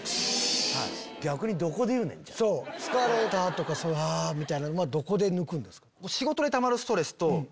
「疲れた」とか「あぁ」みたいなんどこで抜くんですか？